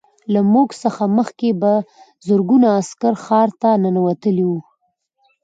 له موږ څخه مخکې په زرګونه عسکر ښار ته ننوتلي وو